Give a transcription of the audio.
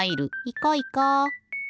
いこいこ。